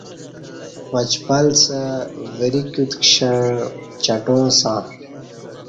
وچپلسہ وری کیوت کشنݩع چٹاں سہ